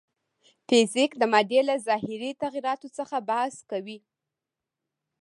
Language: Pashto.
فزیک د مادې له ظاهري تغیراتو څخه بحث کوي.